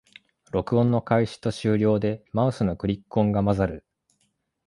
録音の開始と終了でマウスのクリック音が混ざる